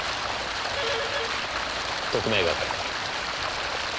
特命係。